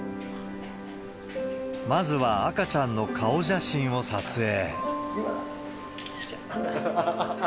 まずは、赤ちゃんの顔写真を撮影。